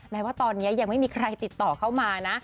แม้ว่าตอนนี้ยังไม่มีใครติดต่อเข้ามานะ